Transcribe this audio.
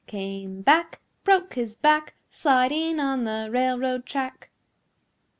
Came back, broke his back, Sliding on the railroad track.